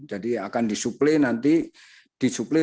jadi akan disuplai nanti